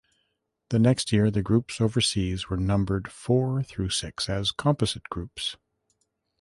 The next year the groups overseas were numbered four through six as "composite" groups.